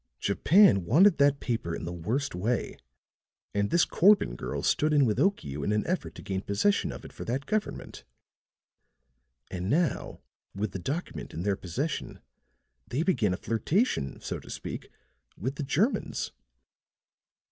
"Japan wanted that paper in the worst way; and this Corbin girl stood in with Okiu in an effort to gain possession of it for that government. And now, with the document in their possession, they begin a flirtation, so to speak, with the Germans."